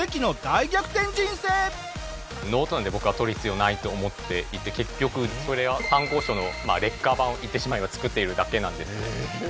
僕は取る必要はないと思っていて結局それは参考書の劣化版を言ってしまえば作っているだけなんですね。